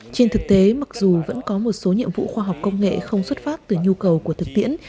trên thực tế mặc dù vẫn có một số nhiệm vụ khoa học công nghệ không xuất phát từ nhu cầu của thực tiễn